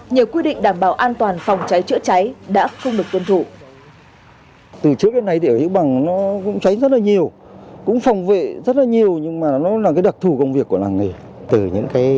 nhiều quy định đảm bảo an toàn phòng cháy chữa cháy đã không được tuân thủ